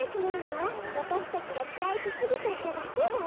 わたしたちがきたいしすぎちゃっただけよ。